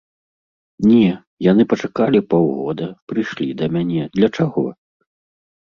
Не, яны пачакалі паўгода, прыйшлі да мяне, для чаго?